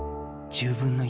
１０分の１。